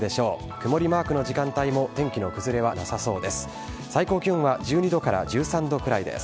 曇りマークの時間帯も天気の崩れはなさそうです。